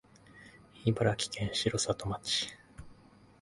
茨城県城里町